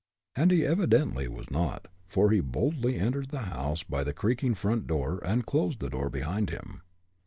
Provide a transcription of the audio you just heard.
And he evidently was not, for he boldly entered the house by the creaking front door and closed the door behind him.